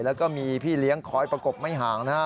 แล้วก็มีพี่เลี้ยงคอยประกบไม่ห่างนะฮะ